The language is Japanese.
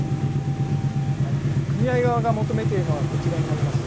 組合側が求めているのはこちらになります。